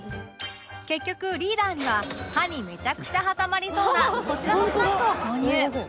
結局リーダーには歯にめちゃくちゃ挟まりそうなこちらのスナックを購入